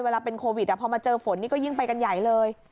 แต่พอมาเจอฝนนี่ก็ยิ่งไปกันใหญ่เลย